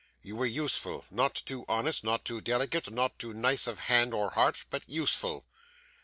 You were useful; not too honest, not too delicate, not too nice of hand or heart; but useful.